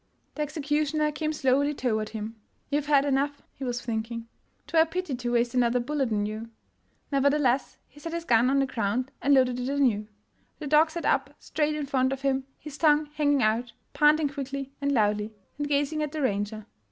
The executioner came slowly toward him. '' You 've had enough," he was thinking; " 'twere a pity to waste another bullet on you. '' Nevertheless, he set his gun on the ground and loaded it anew. The dog sat up straight in front of him, his tongue hanging out, panting quickly and loudly, and gazing at the ranger.